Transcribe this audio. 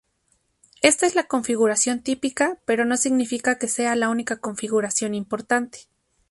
Esta es la configuración típica, pero no significa que sea la única configuración importante.